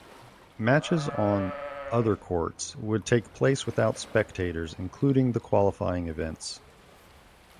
Matches on other courts would take place without spectators including the qualifying events.